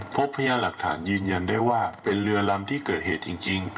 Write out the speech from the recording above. พยาหลักฐานยืนยันได้ว่าเป็นเรือลำที่เกิดเหตุจริง